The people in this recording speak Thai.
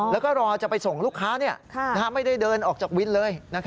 แล้วก็รอจะไปส่งลูกค้าไม่ได้เดินออกจากวินเลย